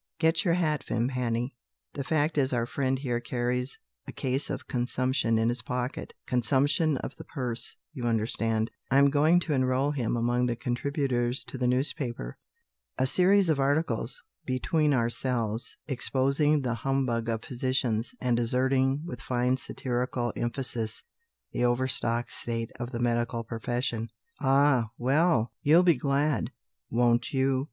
"Get your hat, Vimpany. The fact is our friend here carries a case of consumption in his pocket; consumption of the purse, you understand. I am going to enrol him among the contributors to the newspaper. A series of articles (between ourselves) exposing the humbug of physicians, and asserting with fine satirical emphasis the overstocked state of the medical profession. Ah, well! you'll be glad (won't you?)